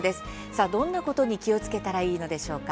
どんなことに気をつけたらいいのでしょうか。